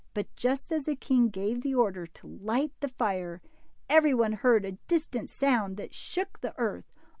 But just as the king gave the order to light the fire, every one heard a distant sound that shook the earth.